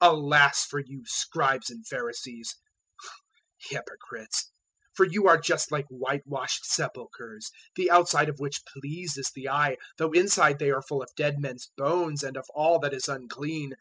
023:027 "Alas for you, Scribes and Pharisees, hypocrites, for you are just like whitewashed sepulchres, the outside of which pleases the eye, though inside they are full of dead men's bones and of all that is unclean.